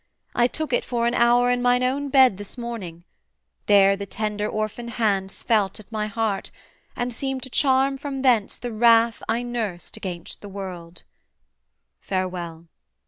I took it for an hour in mine own bed This morning: there the tender orphan hands Felt at my heart, and seemed to charm from thence The wrath I nursed against the world: farewell.'